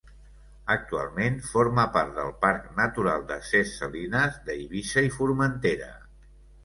Actualment forma part del Parc Natural de ses Salines d'Eivissa i Formentera.